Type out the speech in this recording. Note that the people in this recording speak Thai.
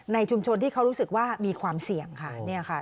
ชุมชนที่เขารู้สึกว่ามีความเสี่ยงค่ะ